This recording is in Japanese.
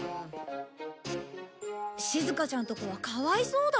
しずかちゃんのとこはかわいそうだ。